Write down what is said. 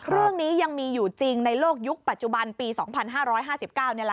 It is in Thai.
เรื่องนี้ยังมีอยู่จริงในโลกยุคปัจจุบันปี๒๕๕๙นี่แหละ